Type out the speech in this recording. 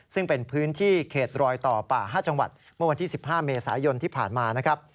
ซึ่งเป็นพื้นที่เขตรอยต่อป่า๕จังหวัดเมื่อวันที่๑๕เมษายนที่ผ่านมานะครับ